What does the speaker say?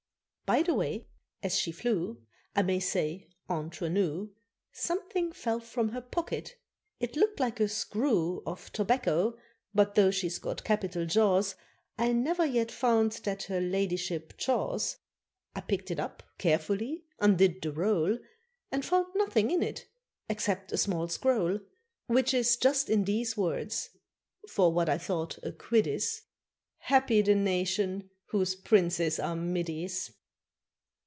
By the way, as she flew, I may say, entre nous, Something fell from her pocket: it looked like a screw Of tobacco; but though she's got capital jaws, I never yet found that her ladyship "chaws." I picked it up carefully, undid the roll, And found nothing in it except a small scroll, Which is just in these words for what I thought a "quid" is "Happy the Nation Whose Princes Are Middies!"